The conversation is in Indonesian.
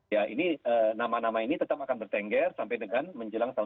ya ini nama nama ini tetap akan bertengger sampai dengan menjelang tahun dua ribu dua puluh